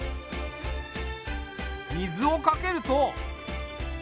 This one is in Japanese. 水をかけると。